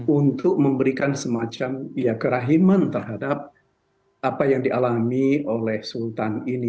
untuk memberikan semacam kerahiman terhadap apa yang dialami oleh sultan ini